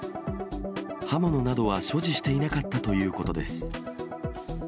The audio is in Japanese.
刃物などは所持していなかったということです。